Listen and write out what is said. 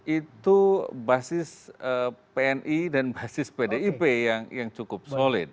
itu basis pni dan basis pdip yang cukup solid